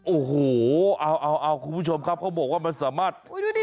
โอ้โหเอาเอาคุณผู้ชมครับเขาบอกว่ามันสามารถ